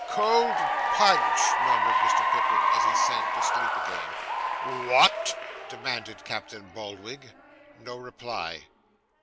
'Cold punch,' murmured Mr. Pickwick, as he sank to sleep again. 'What?' demanded Captain Boldwig. No reply.